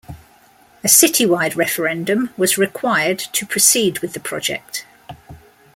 A citywide referendum was required to proceed with the project.